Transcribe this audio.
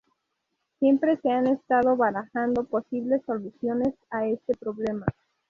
Siempre se han estado barajando posibles soluciones a este problema.